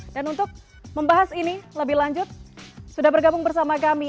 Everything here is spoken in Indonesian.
dan untuk membahas ini lebih lanjut sudah bergabung bersama kami